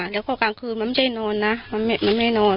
แล้วก็กลางคืนมันไม่ได้นอนนะมันไม่นอน